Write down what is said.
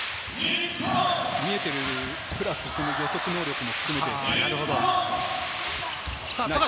見えているプラス、予測能力も含めて。